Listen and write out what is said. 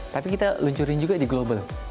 tapi kita luncurin juga di global